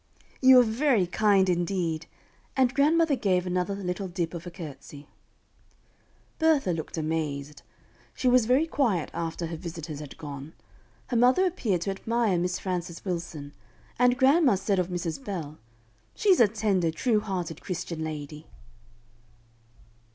"You are very kind, indeed;" and grandmother gave another little "dip of a curtsy." Bertha looked amazed. She was very quiet after her visitors had gone. Her mother appeared to admire Miss Frances Wilson, and grandma said of Mrs. Bell: "She's a tender, true hearted Christian lady."